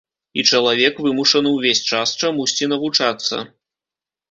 І чалавек вымушаны ўвесь час чамусьці навучацца.